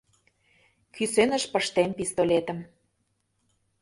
Кӱсеныш пыштем пистолетым